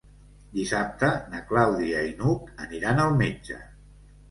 Dissabte na Clàudia i n'Hug aniran al metge.